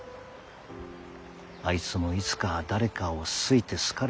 あいつもいつか誰かを好いて好かれて。